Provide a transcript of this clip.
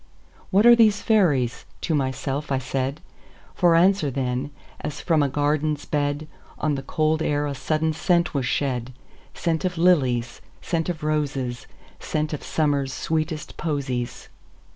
"What are these fairies?" to myself I said; For answer, then, as from a garden's bed, On the cold air a sudden scent was shed,—Scent of lilies, scent of roses, Scent of Summer's sweetest posies.